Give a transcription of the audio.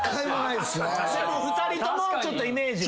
でも２人ともちょっとイメージが。